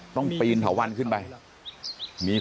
ต้องปีนเถาวันขึ้นไป